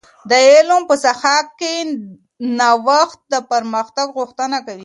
د علم په ساحه کي نوښت د پرمختګ غوښتنه کوي.